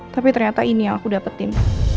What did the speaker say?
tapi ternyata ini yang aku dapetin